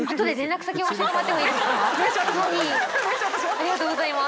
ありがとうございます。